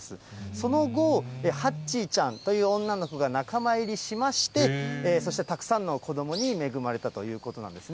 その後、ハッチーちゃんという女の子が仲間入りしまして、そしてたくさんの子どもに恵まれたということなんですね。